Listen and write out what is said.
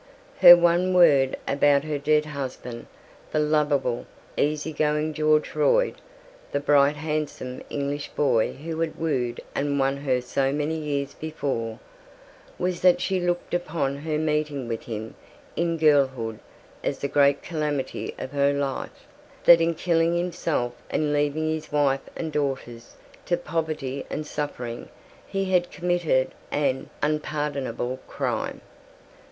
Her one word about her dead husband, the lovable, easy going George Royd, the bright handsome English boy who had wooed and won her so many years before, was that she looked upon her meeting with him in girlhood as the great calamity of her life, that in killing himself and leaving his wife and daughters to poverty and suffering, he had committed an unpardonable crime.